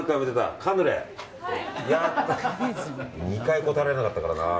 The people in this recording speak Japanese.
２回答えられなかったからな。